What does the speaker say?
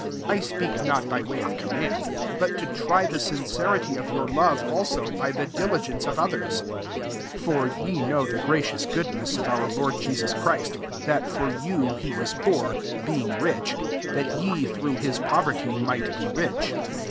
8 I speak not by way of command; but to try the sincerity of your love also, by the diligence of others. 9 (For ye know the gracious goodness of our Lord Jesus Christ, that for you he was poor, being rich,* that ye, through his poverty, might be rich.)